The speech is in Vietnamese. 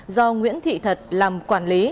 do nguyễn thị thật làm quản lý